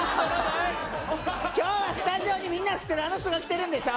今日はスタジオにみんな知ってるあの人が来てるんでしょ？